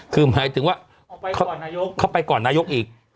คือหมายถึงว่าเข้าไปก่อนนายกอีก